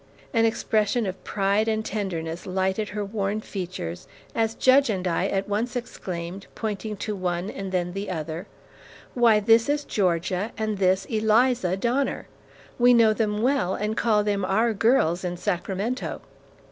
An expression of pride and tenderness lighted her worn features as Judge and I at once exclaimed, pointing to one and then the other, 'Why, this is Georgia, and this, Eliza Donner. We know them well and call them "our girls" in Sacramento!'"